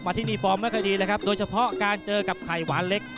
ที่นี่ฟอร์มไม่ค่อยดีเลยครับโดยเฉพาะการเจอกับไข่หวานเล็ก